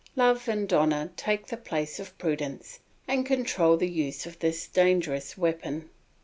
Love and honour take the place of prudence and control the use of this dangerous weapon.